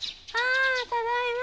あただいま。